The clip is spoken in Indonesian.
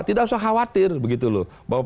tidak usah khawatir begitu loh bahwa